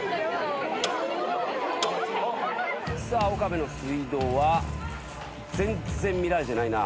岡部の水道は全然見られてないな。